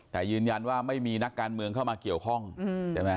แต่ยืนยันว่าไม่มีนักการเมืองเข้ามาเกี่ยวข้องใช่ไหม